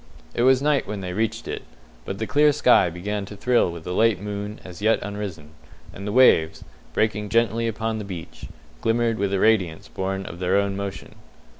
It was night when they reached it, but the clear sky began to thrill with a late moon as yet unrisen, and the waves, breaking gently upon the beach, glimmered with a radiance born of their own motion.